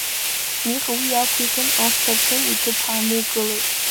Миха уи аақәихын, асҭаршын иҭыԥ ааникылеит.